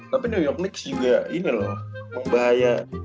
tapi new york mix juga ini loh membahaya